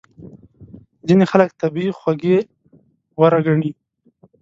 ځینې خلک طبیعي خوږې غوره ګڼي.